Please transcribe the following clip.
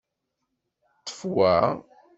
Ṭṭef wa!